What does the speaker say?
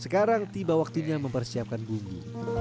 sekarang tiba waktunya mempersiapkan bumbu